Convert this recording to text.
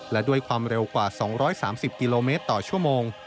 และด้วยความเร็วกว่า๒๓๐กิโลเมตรต่อชั่วโมง